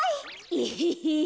エヘヘヘ。